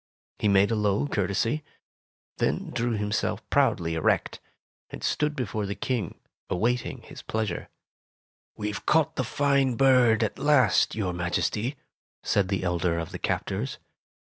He made a low courtesy, then drew himself proudly erect, and stood before the King, awaiting his pleasure. "WeVe caught the fine bird at last, your Tales of Modern Germany 67 Majesty," said the elder of the captors.